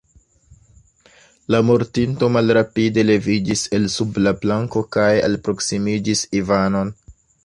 La mortinto malrapide leviĝis el sub la planko kaj alproksimiĝis Ivanon.